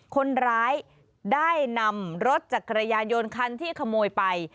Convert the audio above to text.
คนร้ายได้นำรถจักรยานยนต์คันที่ขโมยไป